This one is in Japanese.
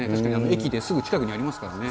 駅で、すぐ近くにありますからね。